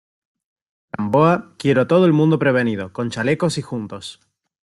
Gamboa, quiero a todo el mundo prevenido , con chalecos y juntos.